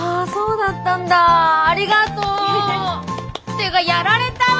ていうかやられたわ！